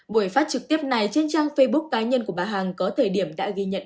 buổi phát trực tiếp này trên trang facebook cá nhân của bà hằng có thời điểm đã ghi nhận